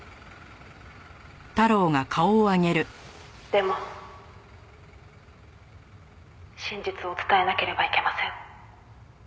「でも真実を伝えなければいけません」